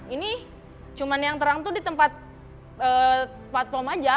ini cuma yang terang tuh di tempat platform aja